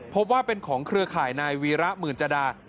พบว่าเป็นของเครือข่ายนายวีระหมื่นจดา